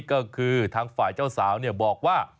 ก็คือทางฝ่ายเจ้าสาวบอกว่า